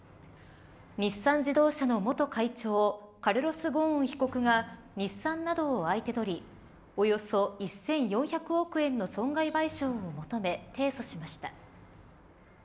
日産自動車の元会長カルロス・ゴーン被告が日産などを相手取りおよそ１４００億円の損害賠償を求め提訴しました。